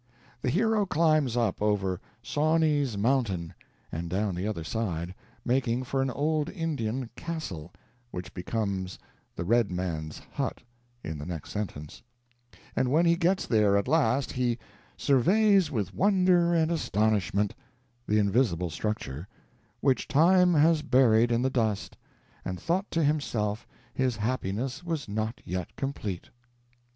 The hero climbs up over "Sawney's Mountain," and down the other side, making for an old Indian "castle" which becomes "the red man's hut" in the next sentence; and when he gets there at last, he "surveys with wonder and astonishment" the invisible structure, "which time has buried in the dust, and thought to himself his happiness was not yet complete."